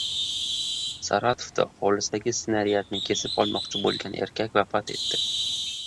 Saratovda hovlisidagi snaryadni kesib olmoqchi bo‘lgan erkak vafot etdi